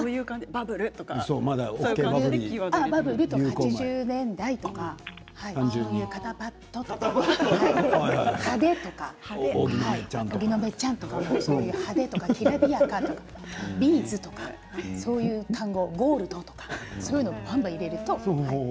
バブルとか８０年代とか肩パッドとか派手とか荻野目ちゃんとかきらびやかとかビーズとかそういう単語、ゴールドとかそういうのを入れると。